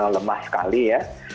lemah sekali ya